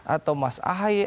atau mas ahaye